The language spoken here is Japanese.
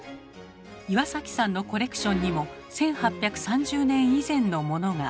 岩崎さんのコレクションにも１８３０年以前のモノが。